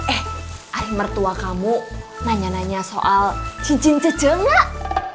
eh ada mertua kamu nanya nanya soal cincin cece enggak